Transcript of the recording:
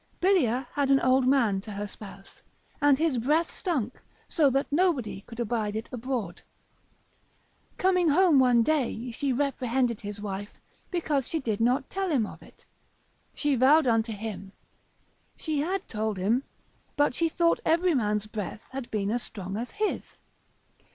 Bilia had an old man to her spouse, and his breath stunk, so that nobody could abide it abroad; coming home one day he reprehended his wife, because she did not tell him of it: she vowed unto him, she had told him, but she thought every man's breath had been as strong as his.